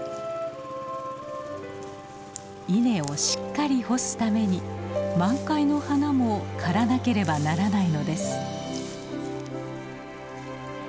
稲をしっかり干すために満開の花も刈らなければならないのです。